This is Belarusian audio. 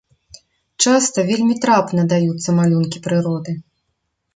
Часта вельмі трапна даюцца малюнкі прыроды.